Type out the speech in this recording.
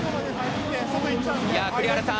栗原さん